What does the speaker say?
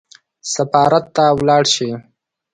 سفارت ته ولاړ شي.